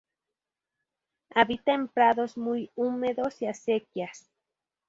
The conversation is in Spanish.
Habita en prados muy húmedos y acequias.